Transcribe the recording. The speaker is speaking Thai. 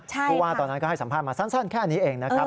เพราะว่าตอนนั้นก็ให้สัมภาษณ์มาสั้นแค่นี้เองนะครับ